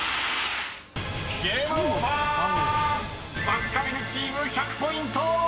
［バスカヴィルチーム１００ポイント！］